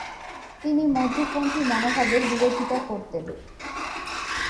তিনি মধ্যপন্থী মনোভাবের বিরোধিতা করতেন।